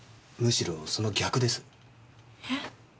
むしろその逆です。え？